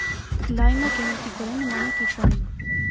Լայմը գենետիկորեն նման է կիտրոնին։